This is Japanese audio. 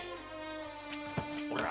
おら